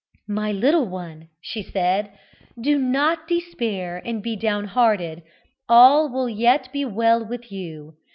"My little one," she said, "do not despair and be down hearted: all will yet be well with you.